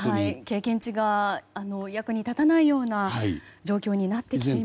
経験値が役に立たないような状況になってきていますよね。